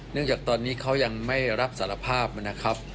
จากตอนนี้เขายังไม่รับสารภาพนะครับ